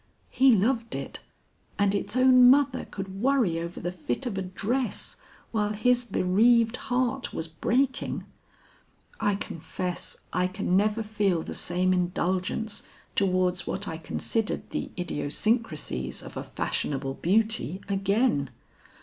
He loved it, and its own mother could worry over the fit of a dress while his bereaved heart was breaking! I confess I can never feel the same indulgence towards what I considered the idiosyncrasies of a fashionable beauty again.